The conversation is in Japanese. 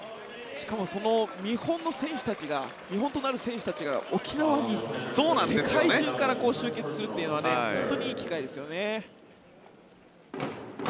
しかも見本の選手たちが見本となる選手たちが沖縄に、世界中から集結するというのは本当にいい機会ですよね。